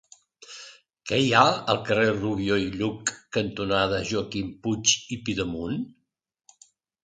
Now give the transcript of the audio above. Què hi ha al carrer Rubió i Lluch cantonada Joaquim Puig i Pidemunt?